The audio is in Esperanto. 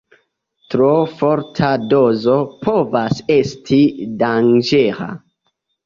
Tro forta dozo povas esti danĝera.